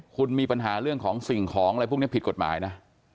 คุณมีปัญหาเรื่องของสิ่งของอะไรพวกนี้ผิดกฎหมายนะ